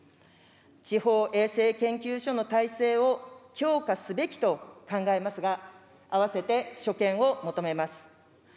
地方衛生研究所の体制を強化すべきと考えますが、あわせて所見を求めます。